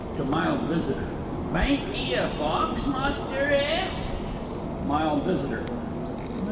(To MILD VISITOR) Bain't 'e a fawks, Master, eh? MILD VISITOR.